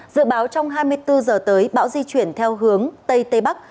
dự báo trong hai mươi bốn giờ tới bão di chuyển theo hướng tây tây bắc